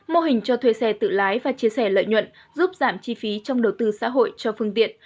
mô hình cho thuê xe tự lái và chia sẻ lợi nhuận giúp giảm chi phí trong đầu tư xã hội cho phương tiện